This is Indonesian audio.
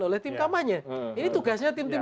oleh tim kampanye ini tugasnya tim tim